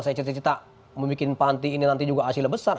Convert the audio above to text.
saya cita cita membuat panti ini nanti juga hasilnya besar